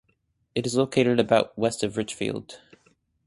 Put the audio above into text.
It is located about west of Richfield.